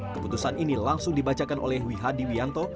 keputusan ini langsung dibacakan oleh wi hadi wianto